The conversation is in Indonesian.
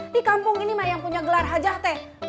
di kampung ini mah yang punya gelar hajah teh